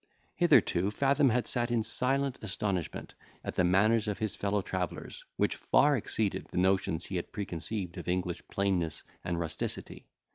Hitherto Fathom had sat in silent astonishment at the manners of his fellow travellers, which far exceeded the notions he had preconceived of English plainness and rusticity.